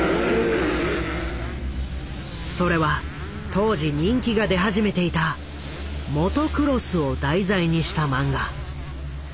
それは当時人気が出始めていたモトクロスを題材にした漫画。